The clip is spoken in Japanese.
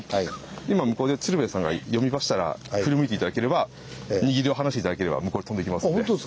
今向こうで鶴瓶さんが呼びましたら振り向いて頂ければ握り手を離して頂ければ向こうへ飛んでいきますんで。